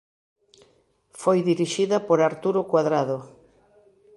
Foi dirixida por Arturo Cuadrado.